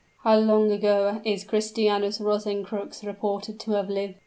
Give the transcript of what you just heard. "How long ago is Christianus Rosencrux reported to have lived?"